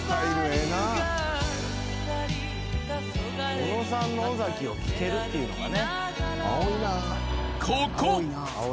小野さんの尾崎を聴けるっていうのがね。